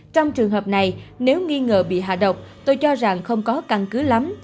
trong trường hợp này nếu nghi ngờ bị hạ độc tôi cho rằng không có căn cứ lắm